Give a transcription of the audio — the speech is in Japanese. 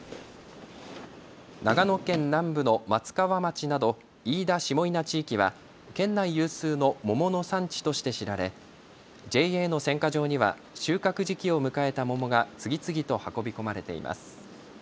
長野県南部の松川町など飯田下伊那地域は県内有数の桃の産地として知られＪＡの選果場には収穫時期を迎えた桃が次々と運び込まれています。